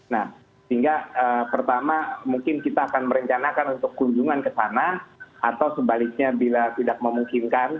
nah sehingga pertama mungkin kita akan merencanakan untuk kunjungan ke sana atau sebaliknya bila tidak memungkinkan